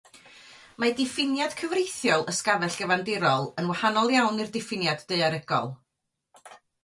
Mae diffiniad cyfreithiol ysgafell gyfandirol yn wahanol iawn i'r diffiniad daearegol.